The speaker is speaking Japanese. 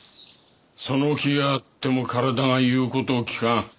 その気があっても体が言うことを聞かん。